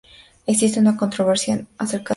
Existe una controversia acerca de su origen.